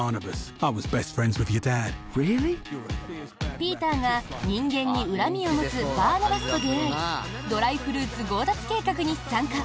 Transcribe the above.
ピーターが、人間に恨みを持つバーナバスと出会いドライフルーツ強奪計画に参加。